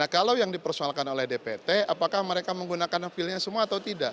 nah kalau yang dipersoalkan oleh dpt apakah mereka menggunakan hak pilihnya semua atau tidak